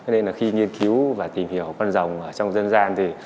nên là khi nghiên cứu và tìm hiểu con rồng ở trong dân gian thì